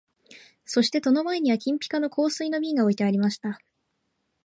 そして戸の前には金ピカの香水の瓶が置いてありました